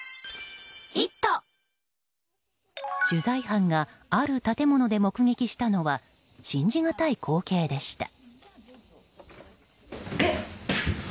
取材班がある建物で目撃したのは信じがたい光景でした。